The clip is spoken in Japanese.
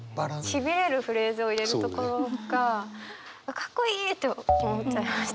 しびれるフレーズを入れるところがかっこいいと思っちゃいました。